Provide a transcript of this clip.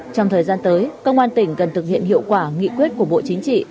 trong thời gian tới công an tỉnh cần thực hiện hiệu quả nghị quyết của bộ chính trị